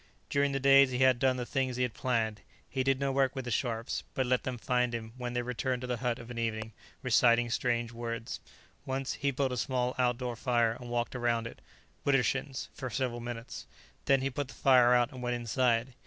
During the days he had done the things he had planned; he did no work with the Scharpes, but let them find him, when they returned to the hut of an evening, reciting strange words. Once he built a small outdoor fire and walked around it, widdershins, for several minutes. Then he put the fire out and went inside.